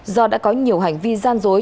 do đã có nhiều hành vi gian dối